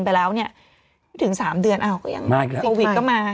ไปแล้วเนี่ยไม่ถึงสามเดือนอ้าวก็ยังมาอีกแล้วโควิดก็มาฮะ